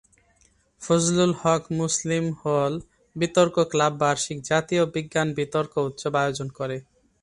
Fazlul Huq Muslim hall বিতর্ক club বার্ষিক "জাতীয় বিজ্ঞান বিতর্ক উৎসব" আয়োজন করে।